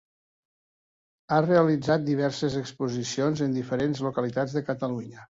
Ha realitzat diverses exposicions en diferents localitats de Catalunya.